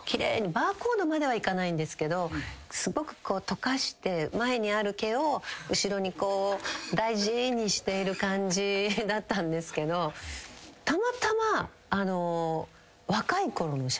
バーコードまではいかないんですけどすごくこうとかして前にある毛を後ろにこう大事にしている感じだったんですけどたまたま。